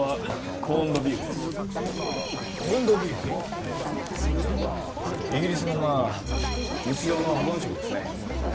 コーンドビーフはいイギリスのまあ日常の保存食ですね